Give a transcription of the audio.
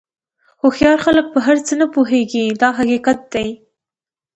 هوښیار خلک په هر څه نه پوهېږي دا حقیقت دی.